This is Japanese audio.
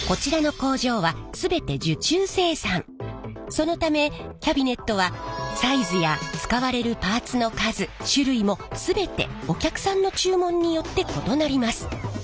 そのためキャビネットはサイズや使われるパーツの数種類も全てお客さんの注文によって異なります。